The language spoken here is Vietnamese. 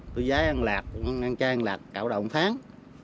tôi giái ăn lạc ăn chai ăn lạc cạo đậu một tháng